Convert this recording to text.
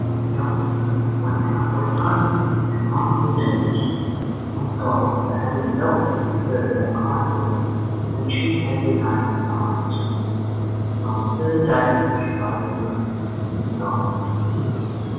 The old woman went trembling home, and on her knees thanked God for having dealt with her more kindly than she had been able to understand, and on the third day she lay down and died.